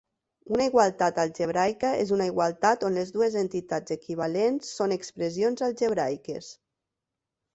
Una igualtat algebraica és una igualtat on les dues entitats equivalents són expressions algebraiques.